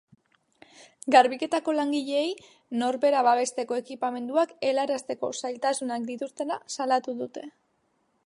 Garbiketako langileei norbera babesteko ekipamenduak helarazteko zailtasunak dituztela salatu dute.